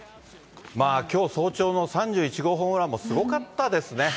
きょう早朝の３１号ホームランもすごかったですね。